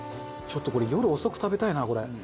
ちょっとこれ夜遅く食べたいなこれ。